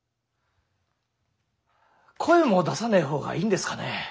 声も出さねえ方がいいんですかね？